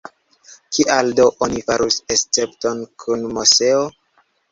Kial do oni farus escepton kun Moseo?